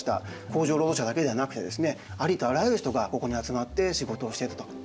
工場労働者だけではなくてですねありとあらゆる人がここに集まって仕事をしていたということですね。